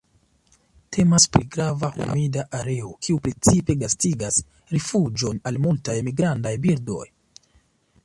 Temas pri grava humida areo, kiu precipe gastigas rifuĝon al multaj migrantaj birdoj.